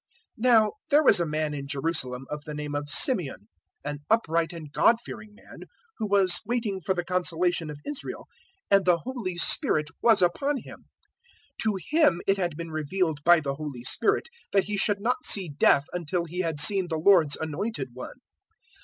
002:025 Now there was a man in Jerusalem of the name of Symeon, an upright and God fearing man, who was waiting for the consolation of Israel, and the Holy Spirit was upon him. 002:026 To him it had been revealed by the Holy Spirit that he should not see death until he had seen the Lord's Anointed One.